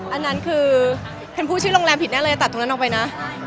อันนั้นคือเคนพูดชื่อโรงแรมผิดแน่เลยตัดตรงนั้นออกไปนะ